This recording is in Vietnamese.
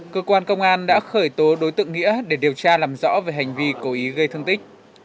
cơ quan công an đã khởi tố đối tượng nghĩa để điều tra làm rõ về hành vi cố ý gây thương tích